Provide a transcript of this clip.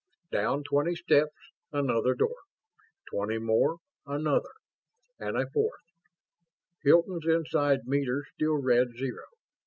Down twenty steps, another door. Twenty more; another. And a fourth. Hilton's inside meter still read zero.